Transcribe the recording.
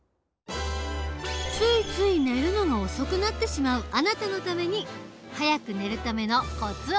ついつい寝るのが遅くなってしまうあなたのために早く寝るためのコツを伝授。